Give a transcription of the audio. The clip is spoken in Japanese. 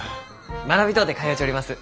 学びとうて通うちょります。